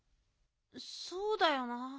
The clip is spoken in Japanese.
そうだよな。